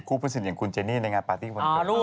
ผู้ผลิตอย่างคุณเจนี่ในงานปาร์ตี้วันเกิด